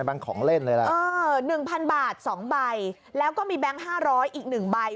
แก๊งของเล่นเลยล่ะเออ๑๐๐บาท๒ใบแล้วก็มีแบงค์๕๐๐อีก๑ใบ